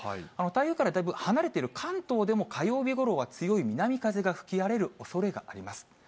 台風からだいぶ離れている関東でも火曜日ごろは強い南風が吹き荒れるおそれがあります。